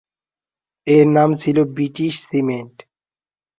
এর নাম ছিল ব্রিটিশ সিমেন্ট।